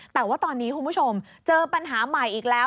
แต่ว่าตอนนี้คุณผู้ชมเจอปัญหาใหม่อีกแล้ว